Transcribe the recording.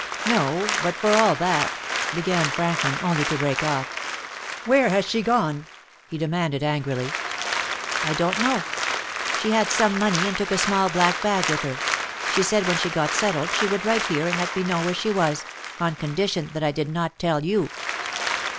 "No; but for all that " began Franklin, only to break off. "Where has she gone?" he demanded angrily. "I don't know. She had some money, and took a small black bag with her. She said when she got settled she would write here and let me know where she was, on condition that I did not tell you."